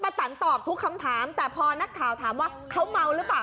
ตันตอบทุกคำถามแต่พอนักข่าวถามว่าเขาเมาหรือเปล่า